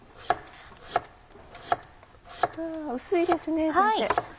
薄いですね先生。